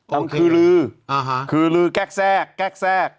มันคือลือคือลือแก๊กแทรกแก๊กแทรก